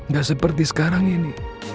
gak seperti sekarang ini